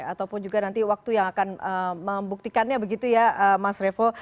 ataupun juga nanti waktu yang akan membuktikannya begitu ya mas revo